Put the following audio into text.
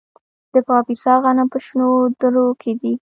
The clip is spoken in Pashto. د کاپیسا غنم په شنو درو کې دي.